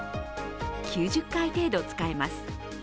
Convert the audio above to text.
９０回程度使えます。